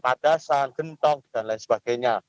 padasan gentong dan lain sebagainya